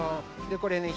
でこれね